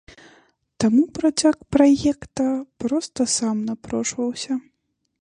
Таму працяг праекта проста сам напрошваўся.